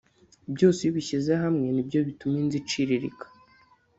byose iyo ubishyize hamwe nibyo bituma inzu iciririka